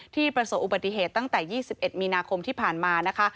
ประสบอุบัติเหตุตั้งแต่๒๑มีนาคมที่ผ่านมานะคะ